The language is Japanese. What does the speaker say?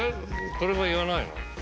これも言わないの？